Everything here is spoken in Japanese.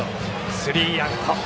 スリーアウト。